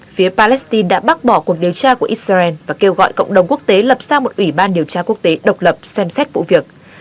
phía palestine đã bác bỏ cuộc điều tra của israel và kêu gọi cộng đồng quốc tế lập ra một ủy ban điều tra quốc tế độc lập xem xét vụ việc